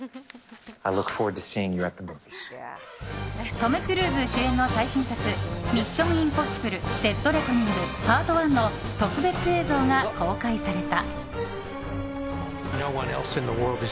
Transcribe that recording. トム・クルーズ主演の最新作「ミッション：インポッシブル／デッドレコニングＰＡＲＴＯＮＥ」の特別映像が公開された。